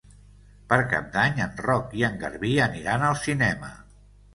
Per Cap d'Any en Roc i en Garbí aniran al cinema.